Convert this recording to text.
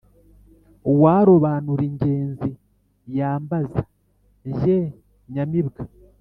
Uwarobanura ingenzi yambanza jye nyamibwa.